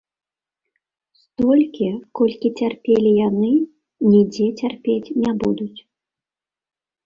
Столькі, колькі цярпелі яны, нідзе цярпець не будуць.